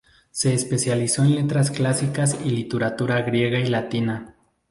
Se especializó en letras clásicas y literatura griega y latina.